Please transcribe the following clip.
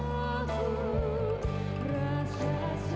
tanahku yang dulu padam